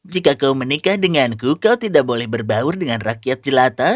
jika kau menikah denganku kau tidak boleh berbaur dengan rakyat jelata